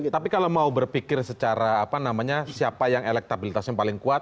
tapi kalau mau berpikir secara apa namanya siapa yang elektabilitasnya paling kuat